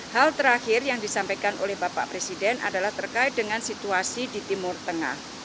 hal terakhir yang disampaikan oleh bapak presiden adalah terkait dengan situasi di timur tengah